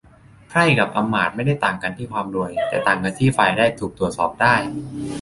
ไพร่กับอำมาตย์ไม่ได้ต่างกันที่ความรวย แต่ต่างกันที่ฝ่ายแรกถูกตรวจสอบได้